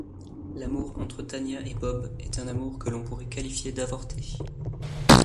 L'amour entre Tania et Bob est un amour que l'on pourrait qualifier d'avorté.